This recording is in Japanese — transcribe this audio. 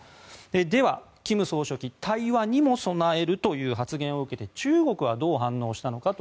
では、金総書記の対話にも備えるという発言を受けて中国はどう反応したのか。